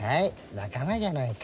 仲間じゃないか。